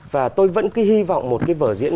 và tôi vẫn cứ hy vọng một cái vở diễn